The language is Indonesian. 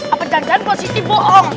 apa janjian positif bohong